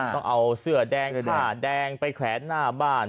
ต้องเอาเสื้อแดงเสื้อแดงไปแขวนหน้าบ้าน